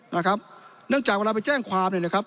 เนื่องจากเวลาไปแจ้งความเนี่ยนะครับ